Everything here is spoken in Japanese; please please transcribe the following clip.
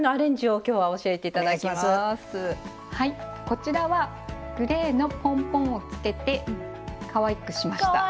こちらはグレーのポンポンを付けてかわいくしました。